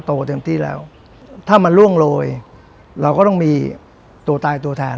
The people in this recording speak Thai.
เต็มที่แล้วถ้ามันล่วงโรยเราก็ต้องมีตัวตายตัวแทน